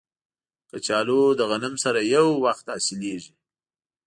کچالو له غنم سره یو وخت حاصلیږي